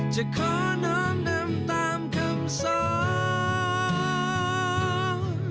จะขอน้ำนำตามคำสอง